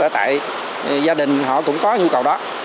ở tại gia đình họ cũng có nhu cầu đó